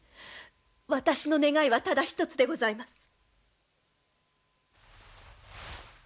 私の願いはただ一つでございます。